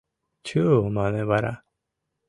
— Чу! — мане вара.